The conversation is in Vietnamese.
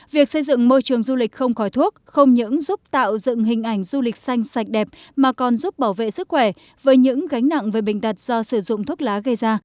việc xây dựng môi trường du lịch không khói thuốc không những giúp tạo dựng hình ảnh du lịch xanh sạch đẹp mà còn giúp bảo vệ sức khỏe với những gánh nặng về bệnh tật do sử dụng thuốc lá gây ra